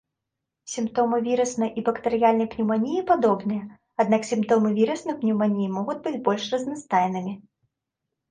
Сімптомы віруснай і бактэрыяльнай пнеўманіі падобныя, аднак сімптомы віруснай пнеўманіі могуць быць больш разнастайнымі.